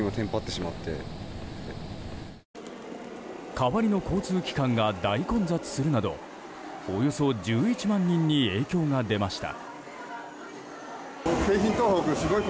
代わりの交通機関が大混雑するなどおよそ１１万人に影響が出ました。